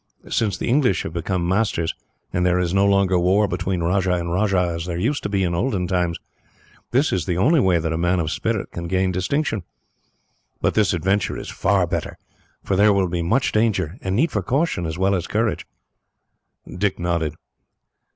Since the English have become masters, and there is no longer war between rajah and rajah, as there used to be in olden times, this is the only way that a man of spirit can gain distinction. But this adventure is far better, for there will be much danger, and need for caution as well as courage." Dick nodded.